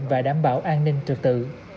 và đảm bảo an ninh trực tự